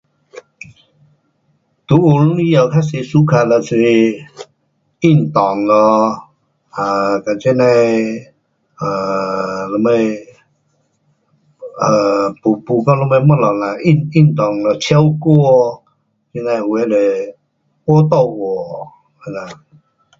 在学堂以后较多 suka 就是运动咯，啊跟这样的，啊什么，啊，没，没讲什么东西呐，运，运动咯，唱歌，这样有的，画图画这样。